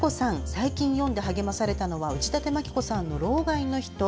最近読んで励まされたのは内館牧子さんの「老害の人」。